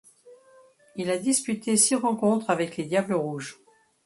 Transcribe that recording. Il a disputé six rencontres avec les Diables Rouges.